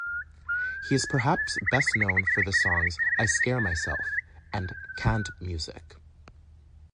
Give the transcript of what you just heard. He is perhaps best known for the songs "I Scare Myself" and "Canned Music.